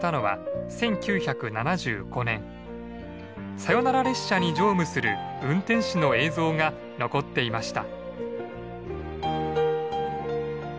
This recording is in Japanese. サヨナラ列車に乗務する運転士の映像が残っていました。